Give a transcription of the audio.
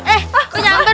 eh kok nyamper